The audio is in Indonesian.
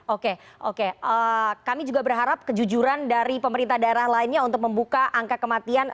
oke oke kami juga berharap kejujuran dari pemerintah daerah lainnya untuk membuka angka kematian